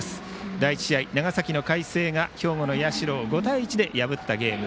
第１試合、長崎の海星が兵庫の社を５対１で破ったゲーム。